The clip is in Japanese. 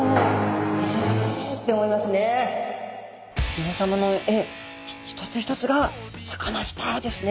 皆さまの絵一つ一つがサカナスターですね。